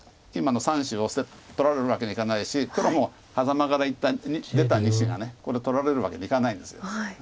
今の３子を取られるわけにいかないし黒もハザマから出た２子がこれ取られるわけにいかないんです。